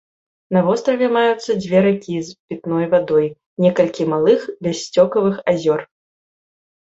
На востраве маюцца дзве ракі з пітной вадой, некалькі малых бяссцёкавых азёр.